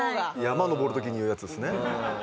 山登る時に言うやつですね。